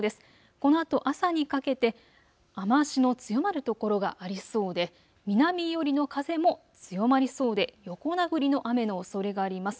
このあと朝にかけて雨足の強まる所がありそうで南寄りの風も強まりそうで横殴りの雨のおそれがあります。